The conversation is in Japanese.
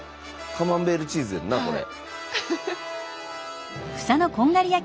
カマンベールチーズやんなこれ。